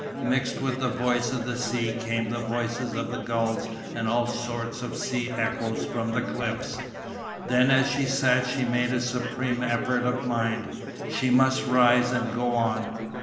Mixed with the voice of the sea came the voices of the gulls and all sorts of sea echoes from the cliffs. Then as she sat she made a supreme effort of mind. She must rise and go on.